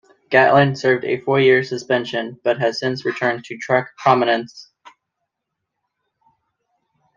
Gatlin served a four-year suspension, but has since returned to track prominence.